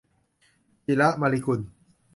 จิระ มะลิกุล